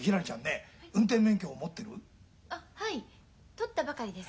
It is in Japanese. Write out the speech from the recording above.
取ったばかりです。